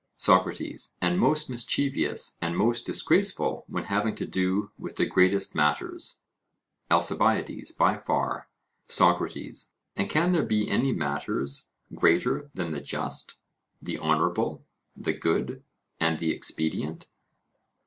SOCRATES: And most mischievous and most disgraceful when having to do with the greatest matters? ALCIBIADES: By far. SOCRATES: And can there be any matters greater than the just, the honourable, the good, and the expedient?